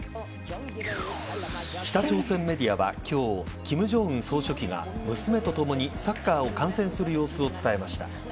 北朝鮮メディアは今日金正恩総書記が娘とともにサッカーを観戦する様子を伝えました。